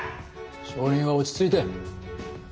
証人は落ち着いて。